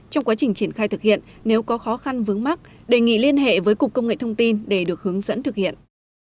trong quá trình triển khai thực hiện nếu có khó khăn vướng mắt đề nghị liên hệ với cục công nghệ thông tin để được hướng dẫn thực hiện